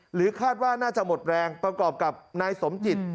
คาดว่าน่าจะหมดแรงประกอบกับนายสมจิต